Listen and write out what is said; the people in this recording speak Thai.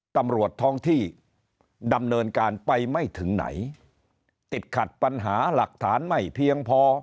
ตำรวจท้องที่ดำเนินการไปไม่ถึงไหนติดขัดปัญหาหลักฐานไม่เพียงพอ